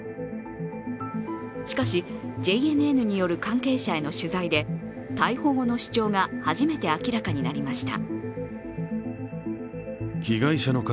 しかし、ＪＮＮによる関係者への取材で逮捕後の主張が初めて明らかになりました。